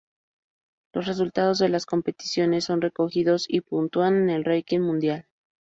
Los resultados de las competiciones son recogidos y puntúan en el ranking mundial.